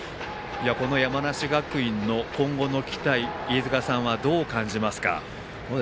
山梨学院の今後の期待飯塚さんはどう感じますか？